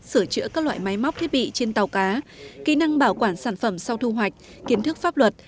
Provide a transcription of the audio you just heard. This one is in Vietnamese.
sửa chữa các loại máy móc thiết bị trên tàu cá kỹ năng bảo quản sản phẩm sau thu hoạch kiến thức pháp luật